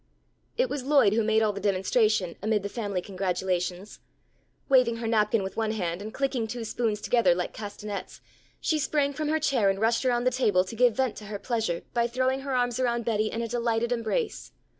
It was Lloyd who made all the demonstration amid the family congratulations. Waving her napkin with one hand and clicking two spoons together like castanets, she sprang from her chair and rushed around the table to give vent to her pleasure by throwing her arms around Betty in a delighted embrace.